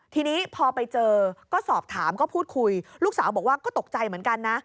ทีนี้พอไปเจอก็สอบถามก็พูดคุยลูกสาวบอกว่าก็ตกใจเหมือนกันนะ